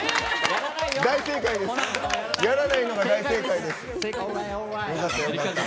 やらないのが大正解です。